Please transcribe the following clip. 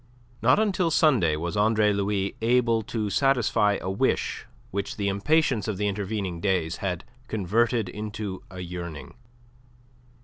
Not until Sunday was Andre Louis able to satisfy a wish which the impatience of the intervening days had converted into a yearning.